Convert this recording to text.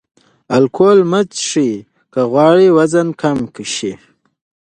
الکول مه څښئ که غواړئ وزن کم شي.